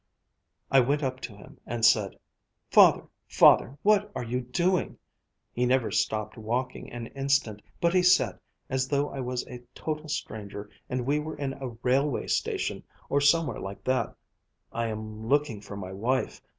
"I went up to him and said, 'Father, Father, what are you doing?' He never stopped walking an instant, but he said, as though I was a total stranger and we were in a railway station or somewhere like that, 'I am looking for my wife.